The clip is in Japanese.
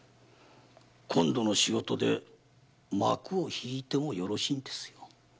今度の仕事で幕を引いてもよろしいんですよ。